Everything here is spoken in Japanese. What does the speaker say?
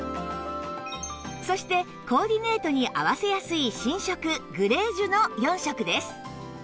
そしてコーディネートに合わせやすい新色グレージュの４色です